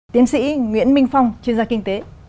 tiến sĩ nguyễn minh phong chuyên gia kinh tế